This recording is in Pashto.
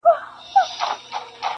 سمدستي د فرعون مخ کي پر سجدو سو -